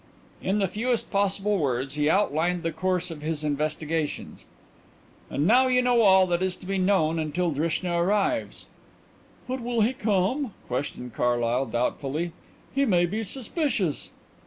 In the fewest possible words he outlined the course of his investigations. "And now you know all that is to be known until Drishna arrives." "But will he come?" questioned Carlyle doubtfully. "He may be suspicious."